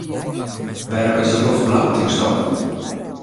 Wêrom is de loft blau tinksto?